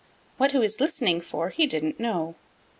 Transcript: What he was listening for he didn't know.